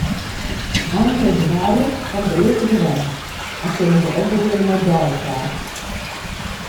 Ein febrewaarje komme de earste bewenners en sille se ek begjinne mei deisoarch.